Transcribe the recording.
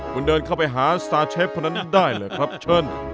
หึเดินเข้าไปหาอันตงท้ายเชฟน้อยได้เลยครับช